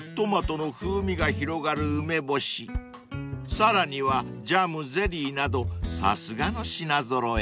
さらにはジャムゼリーなどさすがの品揃え］